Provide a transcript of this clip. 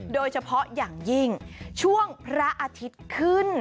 โดยเฉพาะอย่างยิ่งช่วงพระอาทิตย์ขึ้น